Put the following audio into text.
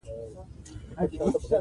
ونې زموږ مسؤلیت دي.